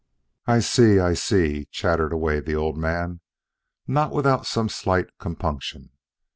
"I see, I see," chattered away the old man, not without some slight compunction.